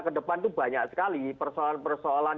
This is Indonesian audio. ke depan itu banyak sekali persoalan persoalan